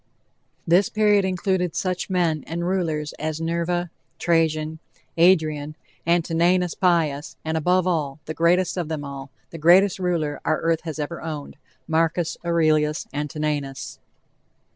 This period included such men and rulers as Nerva, Trajan, Adrian, Antoninus Pius, and above all, the greatest of them all the greatest ruler our earth has ever owned Marcus Aurelius Antoninus.